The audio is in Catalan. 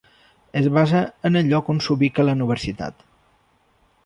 Es basa en el lloc on s'ubica la universitat.